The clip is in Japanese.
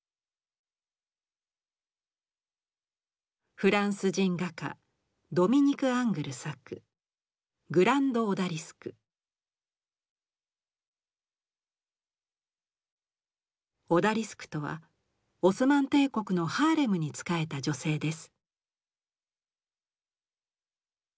フランス人画家ドミニク・アングル作「オダリスク」とはオスマン帝国のハーレムに仕えた女性です。